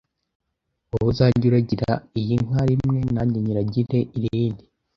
Wowe uzajye uragira iyi nka rimwe nanjye nyiragire irindi.